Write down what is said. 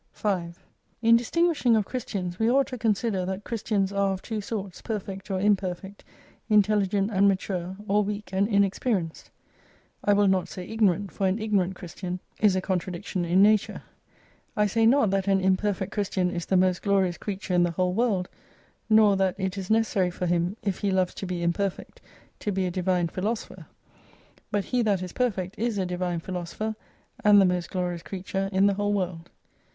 5 In distinguishing of Christians we ought to consider that Christians are of two sorts, perfect or imperfect, intelligent and mature, or weak and inexperienced : (I will not say ignorant, for an ignorant Christian is a 240 contradictfon in nature I say not tliat an imperfect Christian is the most glorious creature in the whole world, nor that it is necessary for him, if he loves to be imperfect, to be a Divine Philosopher. But he that is perfect is a Divine Philosopher, and the most glorious creature in the whole world.